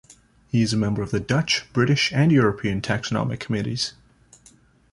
He is a member of the Dutch, British and European taxonomic committees.